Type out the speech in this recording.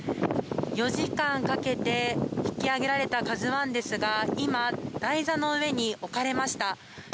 ４時間かけて引き揚げられた「ＫＡＺＵ１」ですが今、台座の上に置かれました。